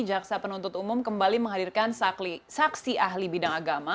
jaksa penuntut umum kembali menghadirkan saksi ahli bidang agama